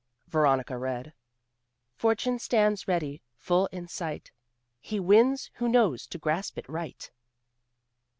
Veronica read "Fortune stands ready, full in sight; He wins who knows to grasp it right."